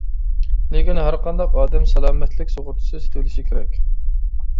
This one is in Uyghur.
لېكىن ھەرقانداق ئادەم سالامەتلىك سۇغۇرتىسى سېتىۋېلىشى كېرەك.